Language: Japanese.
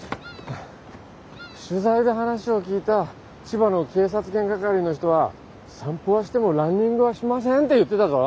取材で話を聞いた千葉の警察犬係の人は「散歩はしてもランニングはしません」って言ってたぞ。